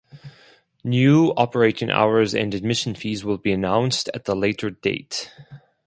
New operating hours and admission fees will be announced at a later date.